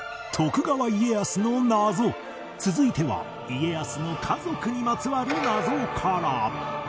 続いては家康の家族にまつわる謎から